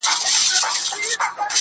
ژونده چې خپل سر مې د دار وګڼم